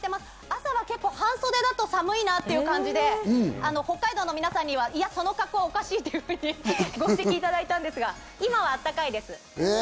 朝は半袖だと寒いなという感じで、北海道の皆さんには、いや、その格好、おかしいっていうふうに言っていただいたんですが、今は暖かいです。